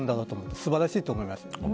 素晴らしいと思います。